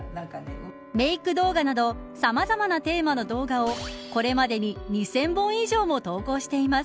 メーク動画などさまざまなテーマの動画をこれまでに２０００本以上も投稿しています。